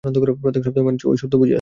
প্রত্যেক শব্দেই মনে হচ্ছে ঐ বুঝি আসছে।